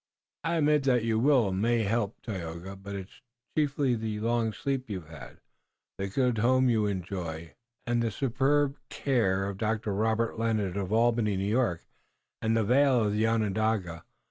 "I'll admit that your will may help, Tayoga, but it's chiefly the long sleep you've had, the good home you enjoy, and the superb care of Dr. Robert Lennox of Albany, New York, and the Vale of Onondaga.